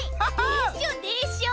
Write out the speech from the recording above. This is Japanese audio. でしょでしょ？